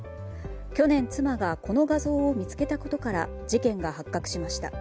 去年、妻がこの画像を見つけたことから事件が発覚しました。